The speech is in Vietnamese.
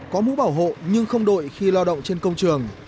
có mũ bảo hộ nhưng không đội khi lao động trên công trường